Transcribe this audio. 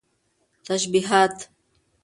تشبيهات